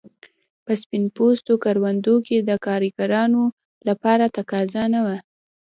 په سپین پوستو کروندو کې د کارګرانو لپاره تقاضا نه وه.